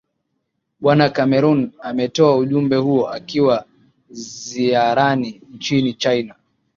bwana cameron ametoa ujumbe huo akiwa ziarani nchini china